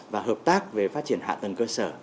và hợp tác về phát triển hạ tầng cơ sở